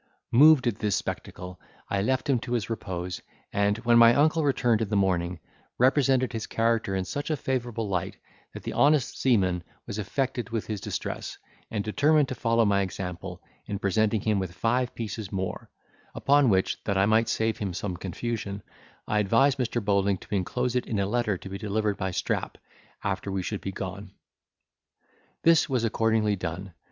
Moved at this spectacle, I left him to his repose, and, when my uncle returned in the morning, represented his character in such a favourable light, that the honest seaman was affected with his distress, and determined to follow my example, in presenting him with five pieces more; upon which, that I might save him some confusion, I advised Mr. Bowling to inclose it in a letter to be delivered by Strap, after we should be gone. This was accordingly done.